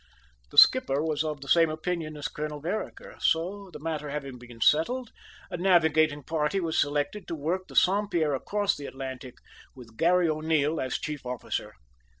The skipper was of the same opinion as Colonel Vereker; so, the matter having been settled, a navigating party was selected to work the Saint Pierre across the Atlantic, with Garry O'Neil as chief officer.